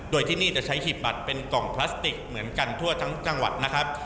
โดยที่นี่จะใช้หีบบัตรเป็นกล่องพลาสติกเหมือนกันทั่วทั้งจังหวัดนะครับ